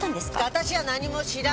私は何も知らない！